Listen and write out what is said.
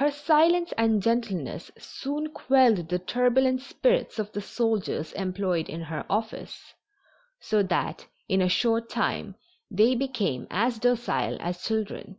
Her silence and gentleness soon quelled the turbulent spirits of the soldiers employed in her office, so that in a short time they became as docile as children.